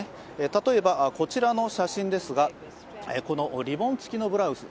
例えばこちらの写真ですがこのリボンつきのブラウス